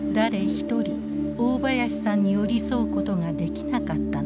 一人大林さんに寄り添うことができなかったのか。